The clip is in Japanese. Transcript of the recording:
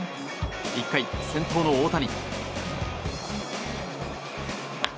１回、先頭の大谷。